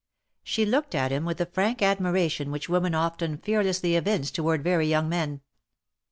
She looked at him with the frank admiration which women often fearlessly evince toward very young men.